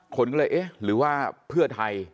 คนก็เลยเอ๊ะหรือว่าเพื่อไทย